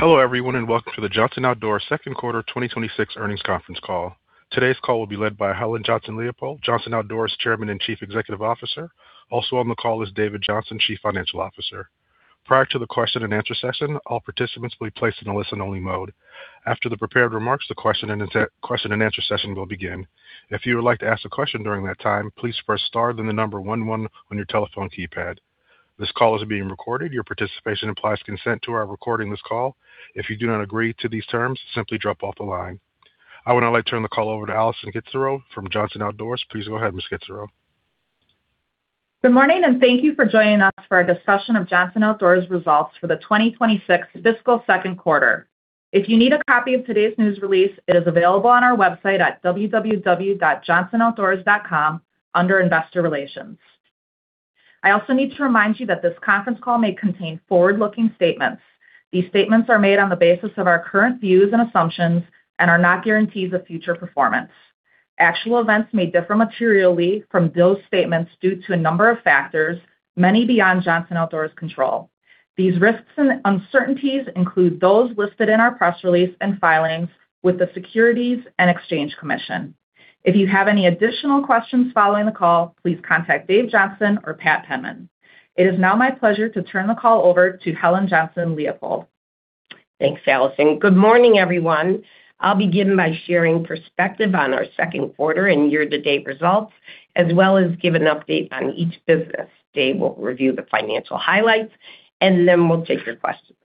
Hello, everyone, welcome to the Johnson Outdoors second quarter 2026 earnings conference call. Today's call will be led by Helen Johnson-Leipold, Johnson Outdoors Chairman and Chief Executive Officer. Also on the call is David Johnson, Chief Financial Officer. Prior to the question-and-answer session, all participants will be placed in a listen-only mode. After the prepared remarks, the question-and-answer session will begin. If you would like to ask a question during that time, please press star, then the number one one on your telephone keypad. This call is being recorded. Your participation implies consent to our recording this call. If you do not agree to these terms, simply drop off the line. I would now like to turn the call over to Allison Kitzerow from Johnson Outdoors. Please go ahead, Miss Kitzerow. Good morning, thank you for joining us for our discussion of Johnson Outdoors results for the 2026 fiscal second quarter. If you need a copy of today's news release, it is available on our website at www.johnsonoutdoors.com under Investor Relations. I also need to remind you that this conference call may contain forward-looking statements. These statements are made on the basis of our current views and assumptions and are not guarantees of future performance. Actual events may differ materially from those statements due to a number of factors, many beyond Johnson Outdoors' control. These risks and uncertainties include those listed in our press release and filings with the Securities and Exchange Commission. If you have any additional questions following the call, please contact Dave Johnson or Pat Penman. It is now my pleasure to turn the call over to Helen Johnson-Leipold. Thanks, Allison. Good morning, everyone. I'll begin by sharing perspective on our second quarter and year-to-date results, as well as give an update on each business. Dave will review the financial highlights, and then we'll take your questions.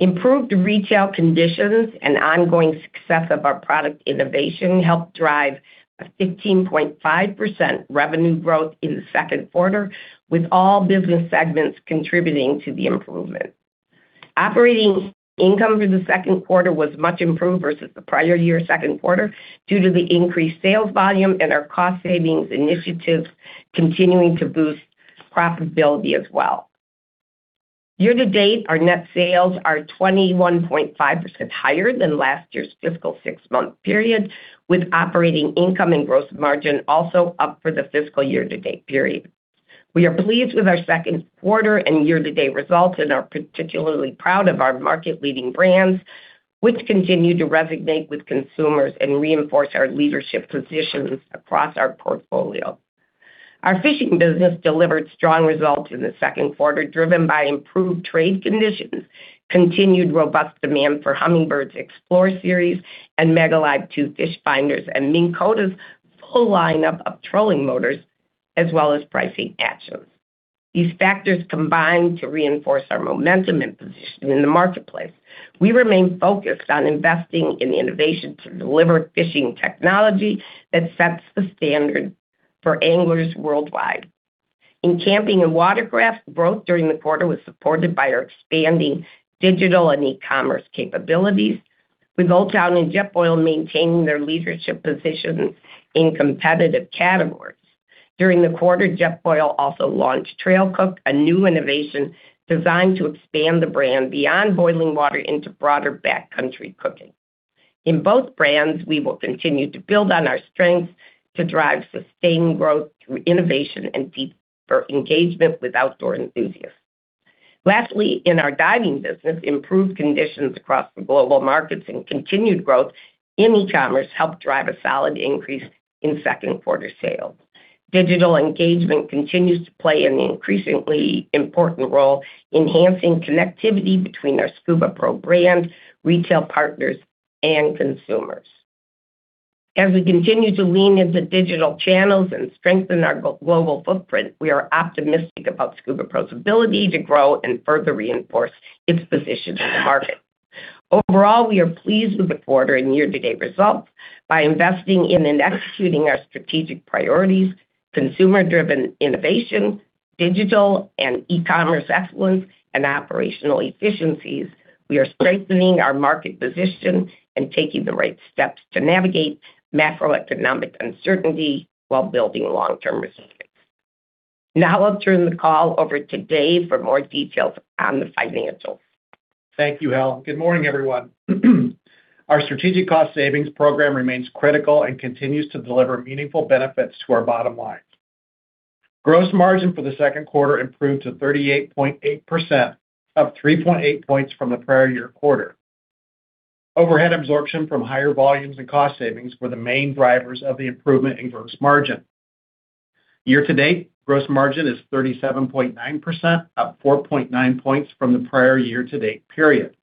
Improved retail conditions and ongoing success of our product innovation helped drive a 15.5% revenue growth in the second quarter, with all business segments contributing to the improvement. Operating income for the second quarter was much improved versus the prior year Q2 due to the increased sales volume and our cost savings initiatives continuing to boost profitability as well. Year-to-date, our net sales are 21.5% higher than last year's fiscal 6-month period, with operating income and gross margin also up for the fiscal year-to-date period. We are pleased with our second quarter and year-to-date results and are particularly proud of our market-leading brands, which continue to resonate with consumers and reinforce our leadership positions across our portfolio. Our fishing business delivered strong results in the second quarter, driven by improved trade conditions, continued robust demand for Humminbird's XPLORE series and MEGA Live 2 fish finders, and Minn Kota's full lineup of trolling motors, as well as pricing actions. These factors combine to reinforce our momentum and position in the marketplace. We remain focused on investing in the innovation to deliver fishing technology that sets the standard for anglers worldwide. In camping and watercraft, growth during the quarter was supported by our expanding digital and e-commerce capabilities, with Old Town and Jetboil maintaining their leadership positions in competitive categories. During the quarter, Jetboil also launched TrailCook, a new innovation designed to expand the brand beyond boiling water into broader backcountry cooking. In both brands, we will continue to build on our strengths to drive sustained growth through innovation and deeper engagement with outdoor enthusiasts. Lastly, in our diving business, improved conditions across the global markets and continued growth in e-commerce helped drive a solid increase in second quarter sales. Digital engagement continues to play an increasingly important role enhancing connectivity between our SCUBAPRO brand, retail partners, and consumers. As we continue to lean into digital channels and strengthen our global footprint, we are optimistic about SCUBAPRO's ability to grow and further reinforce its position in the market. Overall, we are pleased with the quarter and year-to-date results. By investing in and executing our strategic priorities, consumer-driven innovation, digital and e-commerce excellence, and operational efficiencies, we are strengthening our market position and taking the right steps to navigate macroeconomic uncertainty while building long-term resilience. Now I'll turn the call over to Dave for more details on the financials. Thank you, Hel. Good morning, everyone. Our strategic cost savings program remains critical and continues to deliver meaningful benefits to our bottom line. Gross margin for the second quarter improved to 38.8%, up 3.8 points from the prior year quarter. Overhead absorption from higher volumes and cost savings were the main drivers of the improvement in gross margin. Year-to-date, gross margin is 37.9%, up 4.9 points from the prior year-to-date period.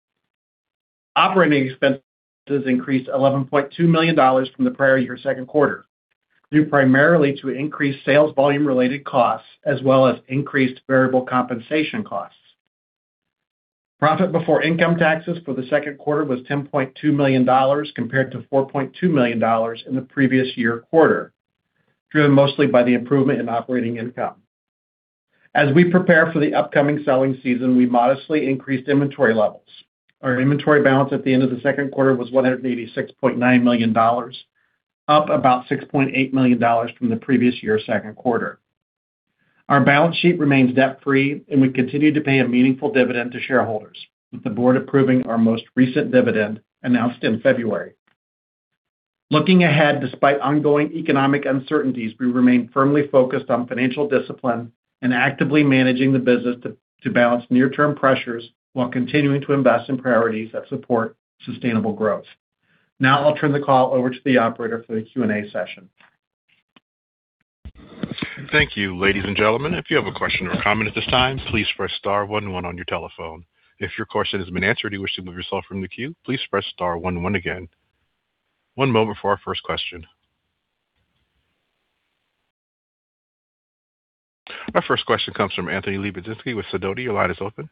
Operating expenses increased $11.2 million from the prior year second quarter, due primarily to increased sales volume-related costs as well as increased variable compensation costs. Profit before income taxes for the second quarter was $10.2 million compared to $4.2 million in the previous year quarter, driven mostly by the improvement in operating income. As we prepare for the upcoming selling season, we modestly increased inventory levels. Our inventory balance at the end of the second quarter was $186.9 million, up about $6.8 million from the previous year's second quarter. Our balance sheet remains debt-free, and we continue to pay a meaningful dividend to shareholders, with the board approving our most recent dividend announced in February. Looking ahead, despite ongoing economic uncertainties, we remain firmly focused on financial discipline and actively managing the business to balance near-term pressures while continuing to invest in priorities that support sustainable growth. Now I'll turn the call over to the operator for the Q&A session. Thank you. Ladies and gentlemen, if you have a question or comment at this time, please press star one one on your telephone. If your question has been answered and you wish to remove yourself from the queue, please press star one one again. One moment for our first question. Our first question comes from Anthony Lebiedzinski with Sidoti. Your line is open.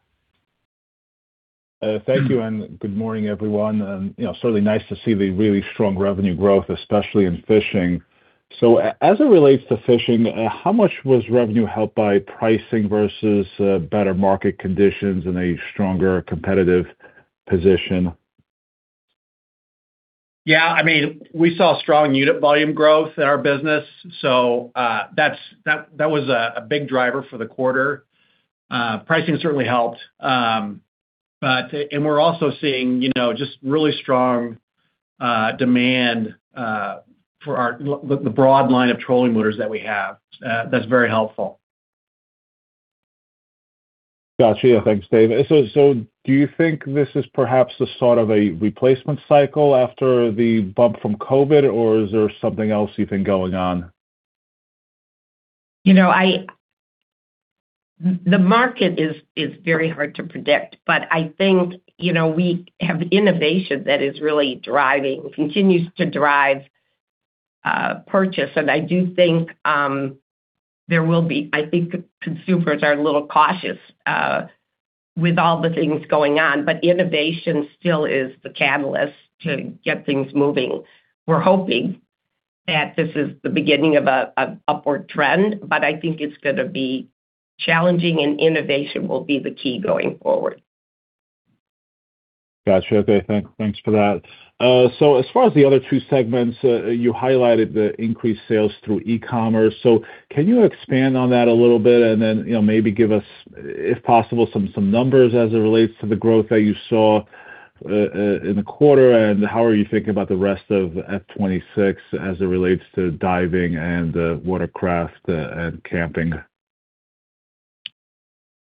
Thank you, and good morning, everyone. You know, certainly nice to see the really strong revenue growth, especially in fishing. As it relates to fishing, how much was revenue helped by pricing versus better market conditions and a stronger competitive position? Yeah, I mean, we saw strong unit volume growth in our business. That was a big driver for the quarter. Pricing certainly helped. We're also seeing, you know, just really strong demand for the broad line of trolling motors that we have. That's very helpful. Got you. Thanks, Dave. Do you think this is perhaps a sort of a replacement cycle after the bump from COVID, or is there something else you think going on? You know, the market is very hard to predict, but I think, you know, we have innovation that is really driving, continues to drive, purchase. I do think, I think consumers are a little cautious with all the things going on, but innovation still is the catalyst to get things moving. We're hoping that this is the beginning of a upward trend, but I think it's gonna be challenging and innovation will be the key going forward. Got you. Okay, thanks for that. As far as the other two segments, you highlighted the increased sales through e-commerce. Can you expand on that a little bit and then, you know, maybe give us, if possible, some numbers as it relates to the growth that you saw in the quarter, and how are you thinking about the rest of FY 2026 as it relates to diving and watercraft and camping?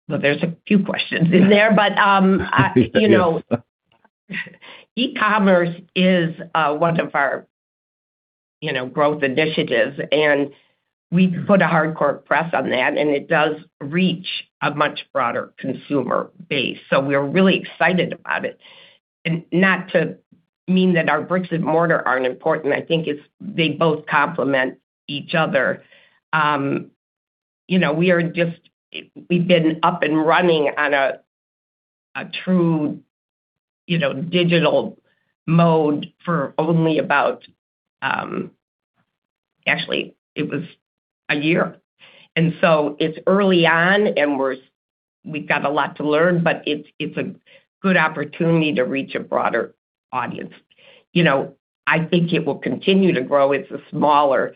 Well, there's a few questions in there. You know, e-commerce is one of our, you know, growth initiatives, and we put a hardcore press on that, and it does reach a much broader consumer base. We're really excited about it. Not to mean that our bricks and mortar aren't important, I think they both complement each other. You know, we've been up and running on a true, you know, digital mode for only about, actually, it was a year. It's early on, and we've got a lot to learn, but it's a good opportunity to reach a broader audience. You know, I think it will continue to grow. It's a smaller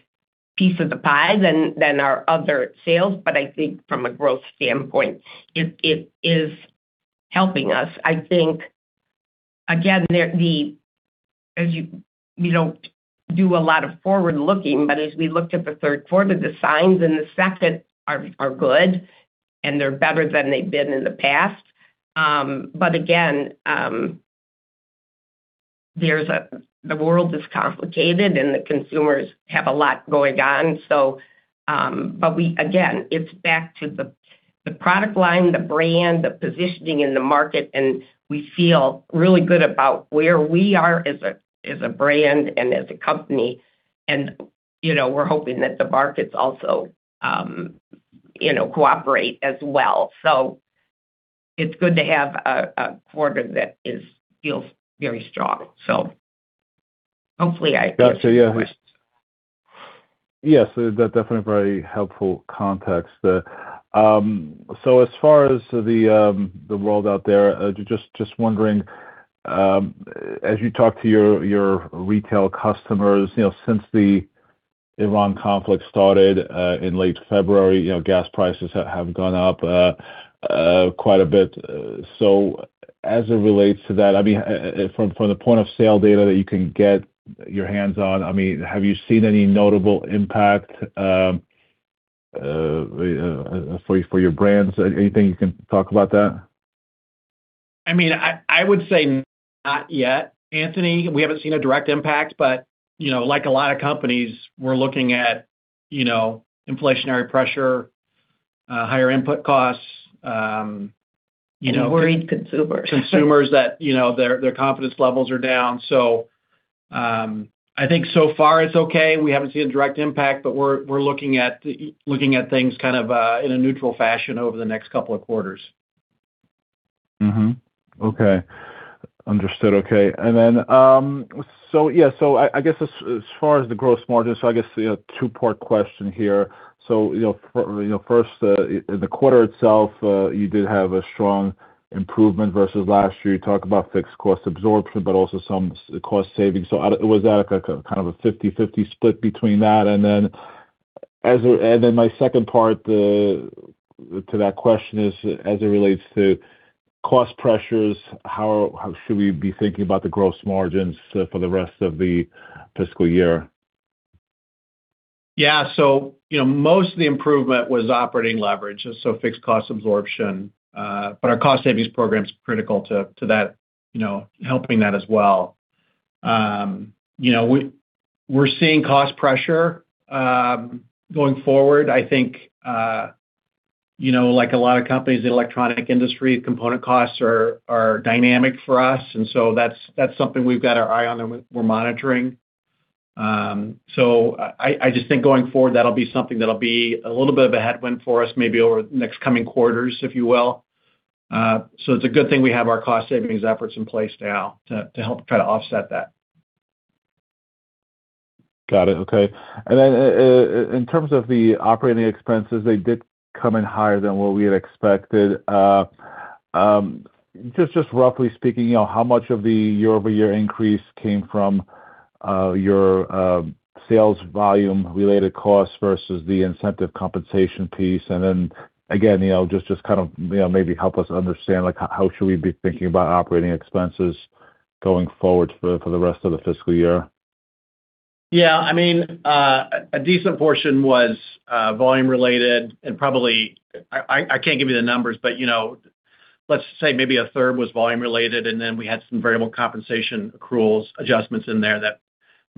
piece of the pie than our other sales, but I think from a growth standpoint, it is helping us. I think, again, we don't do a lot of forward-looking, but as we looked at the third quarter, the signs in the second are good, and they're better than they've been in the past. Again, the world is complicated, and the consumers have a lot going on. Again, it's back to the product line, the brand, the positioning in the market, and we feel really good about where we are as a brand and as a company. You know, we're hoping that the markets also, you know, cooperate as well. It's good to have a quarter that feels very strong. Hopefully, I answered your question. Got you. Yes. Yes, that definitely very helpful context. As far as the world out there, just wondering, as you talk to your retail customers, you know, since the Iran conflict started in late February, you know, gas prices have gone up quite a bit. As it relates to that, I mean, from the point-of-sale data that you can get your hands on, I mean, have you seen any notable impact for your brands? Anything you can talk about that? I mean, I would say not yet, Anthony. We haven't seen a direct impact, you know, like a lot of companies, we're looking at, you know, inflationary pressure, higher input costs. A worried consumer Consumers that, you know, their confidence levels are down. I think so far it's okay. We haven't seen a direct impact, but we're looking at thing's kind of in a neutral fashion over the next couple of quarters. Okay. Understood. Okay. I guess as far as the gross margin, two-part question here. First, in the quarter itself, you did have a strong improvement versus last year. You talked about fixed cost absorption, but also some cost savings. Was that like a kind of a 50-50 split between that? My second part to that question is as it relates to cost pressures, how should we be thinking about the gross margins for the rest of the fiscal year? Yeah. You know, most of the improvement was operating leverage, so fixed cost absorption. Our cost savings program is critical to that, you know, helping that as well. You know, we're seeing cost pressure. Going forward, I think, you know, like a lot of companies in electronic industry, component costs are dynamic for us, and that's something we've got our eye on, and we're monitoring. I just think going forward, that'll be something that'll be a little bit of a headwind for us, maybe over the next coming quarters, if you will. It's a good thing we have our cost savings efforts in place now to help try to offset that. Got it. Okay. In terms of the operating expenses, they did come in higher than what we had expected. Just roughly speaking, you know, how much of the year-over-year increase came from your sales volume-related costs versus the incentive compensation piece? Again, you know, just kind of, you know, maybe help us understand, like, how should we be thinking about operating expenses going forward for the rest of the fiscal year? Yeah. I mean, a decent portion was volume related and probably I can't give you the numbers, but, you know, let's say maybe a third was volume related, and then we had some variable compensation accruals adjustments in there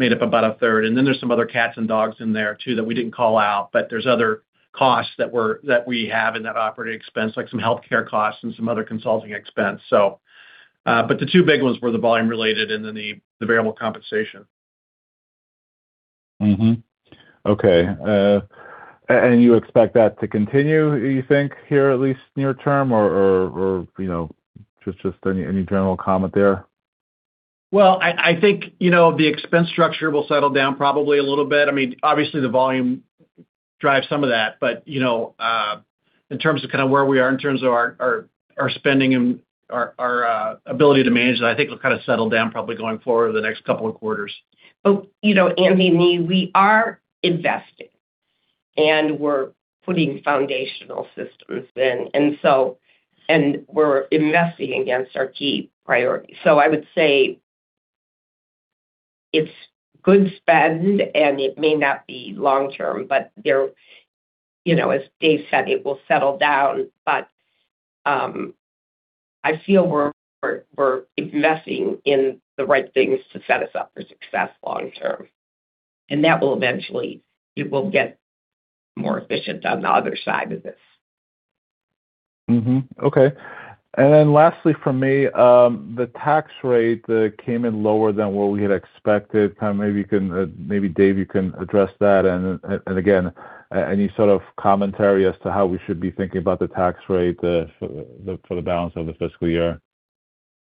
that made up about a third. Then there's some other cats and dogs in there too that we didn't call out. There's other costs that we have in that operating expense, like some healthcare costs and some other consulting expense. The two big ones were the volume related and then the variable compensation. Okay. You expect that to continue, you think here, at least near term, or, you know, just any general comment there? Well, I think, you know, the expense structure will settle down probably a little bit. I mean, obviously the volume drives some of that. You know, in terms of kind of where we are in terms of our spending and our ability to manage that, I think it'll kind of settle down probably going forward the next couple of quarters. You know, Anthony, we are investing, and we're putting foundational systems in. We're investing against our key priorities. I would say it's good spend, and it may not be long-term, but there, you know, as Dave said, it will settle down. I feel we're investing in the right things to set us up for success long term. It will get more efficient on the other side of this. Okay. Lastly, from me, the tax rate came in lower than what we had expected. Kind of maybe, Dave, you can address that. Again, any sort of commentary as to how we should be thinking about the tax rate for the balance of the fiscal year?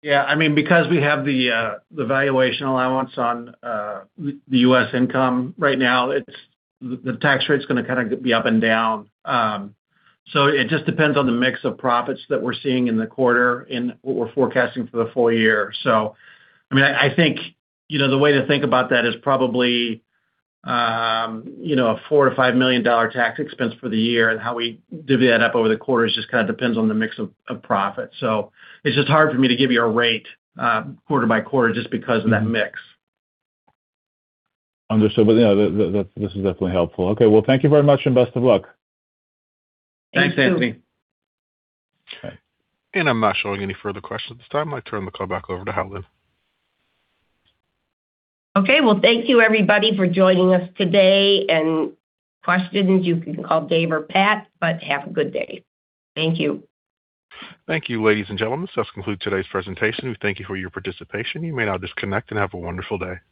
Yeah. I mean, because we have the valuation allowance on the U.S. income right now, the tax rate is gonna kind of be up and down. It just depends on the mix of profits that we're seeing in the quarter and what we're forecasting for the full year. I mean, I think, you know, the way to think about that is probably, you know, a $4 million-$5 million tax expense for the year. How we divvy that up over the quarters just kind of depends on the mix of profits. It's just hard for me to give you a rate, quarter-by-quarter just because of that mix. Understood. you know, that this is definitely helpful. Okay, well, thank you very much, and best of luck. Thanks, too. Thanks, Anthony. Okay. I'm not showing any further questions at this time. I turn the call back over to Helen. Okay. Well, thank you, everybody, for joining us today. Any questions, you can call Dave or Pat, but have a good day. Thank you. Thank you, ladies and gentlemen. This does conclude today's presentation. We thank you for your participation. You may now disconnect and have a wonderful day.